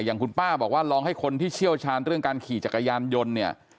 อย่างคุณป้าบอกว่าลองให้คนที่เชี่ยวชาญเรื่องการขี่จักรยานยนต์เนี่ย